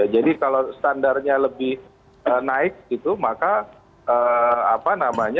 jadi kalau standarnya lebih naik gitu maka